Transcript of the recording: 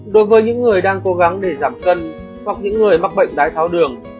đối với những người đang cố gắng để giảm cân hoặc những người mắc bệnh đái tháo đường